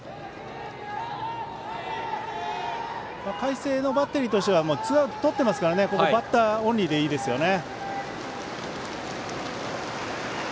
海星のバッテリーとしてはツーアウトとっていますからバッターオンリーでいいですよね。